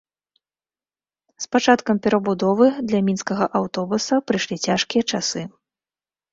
З пачаткам перабудовы для мінскага аўтобуса прыйшлі цяжкія часы.